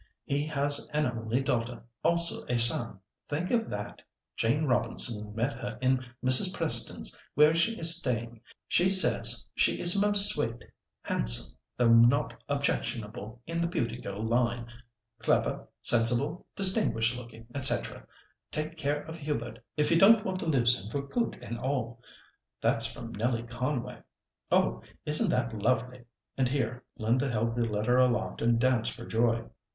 He has an only daughter, also a son. Think of that! Jane Robinson met her at Mrs. Preston's, where she is staying. She says she is most sweet—handsome, though not objectionable in the beauty girl line, clever, sensible, distinguished looking, &c. Take care of Hubert, if you don't want to lose him for good and all.' That's from Nellie Conway. Oh! isn't that lovely?" and here Linda held the letter aloft, and danced for joy.